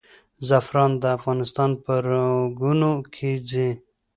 زعفران د افغانستان په رګونو کې ځي.